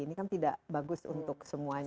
ini kan tidak bagus untuk semuanya